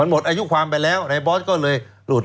หมดอายุความไปแล้วในบอสก็เลยหลุด